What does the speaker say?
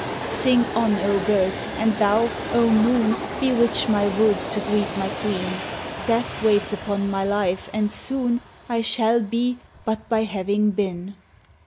Sing on, oh birds, and thou, oh moon Bewitch my woods to greet my queen ! Death waits upon my life, and soon I shall be but by having been.